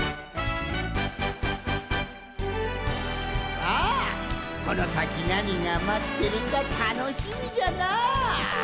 さあこのさきなにがまってるかたのしみじゃなぁ！